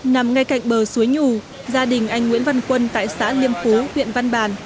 nằm ngay cạnh bờ suối nhù gia đình anh nguyễn văn quân tại xã liêm phú huyện văn bàn